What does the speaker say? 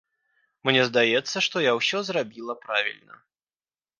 Мне здаецца, што я ўсё зрабіла правільна.